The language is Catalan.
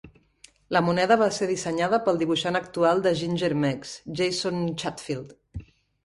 La moneda va ser dissenyada pel dibuixant actual de Ginger Meggs, Jason Chatfield.